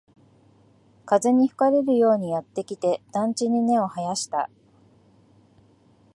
風に吹かれるようにやってきて、団地に根を生やした